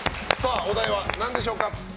お題は何でしょうか？